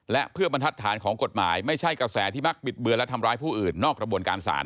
และเพื่อบรรทัศน์ของกฎหมายไม่ใช่กระแสที่มักบิดเบือนและทำร้ายผู้อื่นนอกกระบวนการศาล